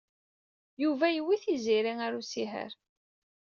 Yuba yewwi Tiziri ɣer usihar.